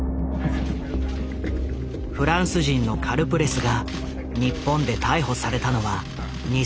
フランス人のカルプレスが日本で逮捕されたのは２０１５年。